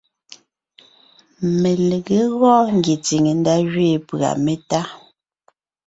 Melegé gɔɔn ngie tsìŋe ndá gẅiin pʉ̀a métá.